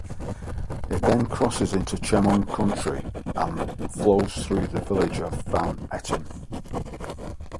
It then crosses into Chemung County and flows through the village of Van Etten.